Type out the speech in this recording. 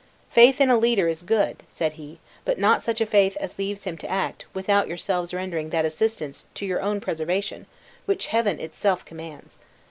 "Faith in a leader is good," said he; "but not such a faith as leaves him to act, without yourselves rendering that assistance to your own preservation, which Heaven itself commands.